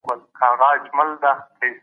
موږ یو ځای ځو.